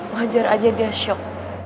wajar aja dia shock